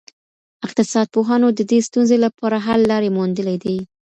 اقتصاد پوهانو د دې ستونزي لپاره حل لاري موندلي دي.